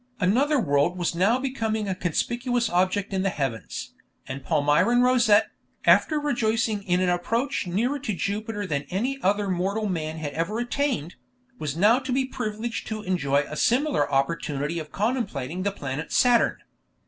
Another world was now becoming a conspicuous object in the heavens, and Palmyrin Rosette, after rejoicing in an approach nearer to Jupiter than any other mortal man had ever attained, was now to be privileged to enjoy a similar opportunity of contemplating the planet Saturn.